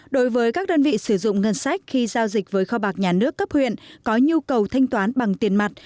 đối với các đơn vị sử dụng ngân sách khi giao dịch với kho bạc nhà nước cấp huyện có nhu cầu thanh toán bằng tiền mặt